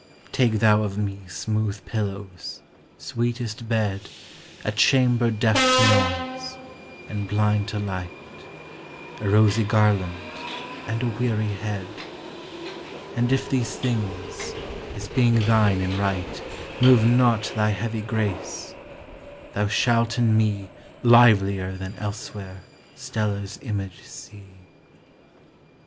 Take thou of me smooth pillows, sweetest bed, A chamber deaf to noise, and blind to light, A rosy garland, and a weary head : And if these things, as being thine in right, Move not thy heavy grace, thou shalt in me Livelier than elsewhere Stella's image see.